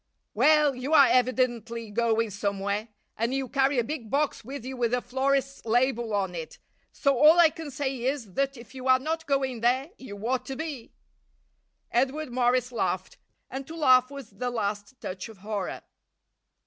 "Well, you are evidently going somewhere, and you carry a big box with you with a florist's label on it, so all I can say is that if you are not going there you ought to be." Edward Morris laughed, and to laugh was the last touch of horror.